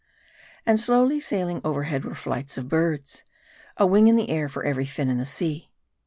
And slow sailing overhead were flights of birds ; a wing in the air for every fin in the sea.